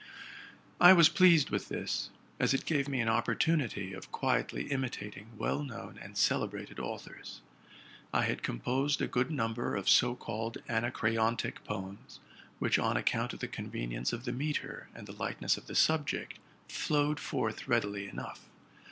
I was pleased with this, as it gave me an opportunity of quietly imitating well known and celebrated authors. I had composed a good number of so called Anacreontic poems, wiich, on account of the convenience of the metre, and the lightness of the subject, flowed forth readily enough.